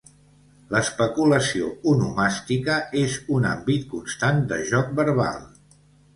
L'especulació onomàstica és un àmbit constant de joc verbal.